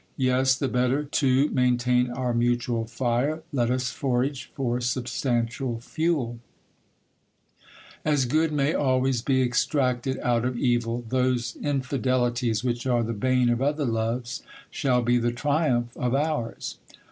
Yes ; the better to maintain our mutual fire, let us forage for substantial fuel. As good HISTORY OF DON RAPHAEL. 1 may always be extracted out of evil, those infidelities which are the bane of other loves, shall be the triumph of ours.